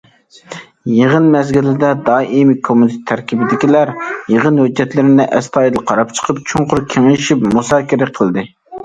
يىغىن مەزگىلىدە، دائىمىي كومىتېت تەركىبىدىكىلەر يىغىن ھۆججەتلىرىنى ئەستايىدىل قاراپ چىقىپ، چوڭقۇر كېڭىشىپ مۇزاكىرە قىلدى.